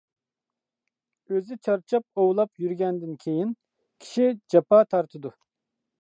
-ئۆزى چارچاپ ئوۋلاپ يۈرگەندىن كېيىن كىشى جاپا تارتىدۇ.